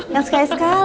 ga sekali sekali